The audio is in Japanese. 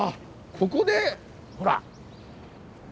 ここでほら。